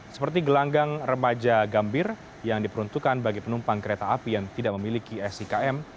seperti gelanggang remaja gambir yang diperuntukkan bagi penumpang kereta api yang tidak memiliki sikm